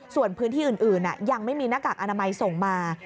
ส่วนพื้นที่อื่นยังไม่มีหน้ากากอนามัยส่งมา